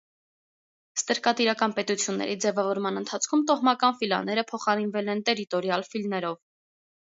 Ստրկատիրական պետությունների ձևավորման ընթացքում տոհմական ֆիլաները փոխարինվել են տերիտորիալ ֆիլներով։